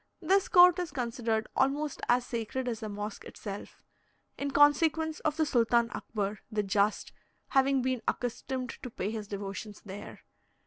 This court is considered almost as sacred as the mosque itself, in consequence of the Sultan Akbar, "the just," having been accustomed to pay his devotions there.